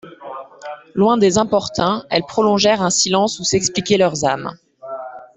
Loin des importuns, elles prolongèrent un silence où s'expliquaient leurs âmes.